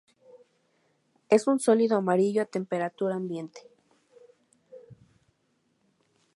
Es un sólido amarillo a temperatura ambiente.